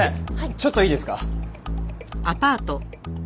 ちょっといいですか？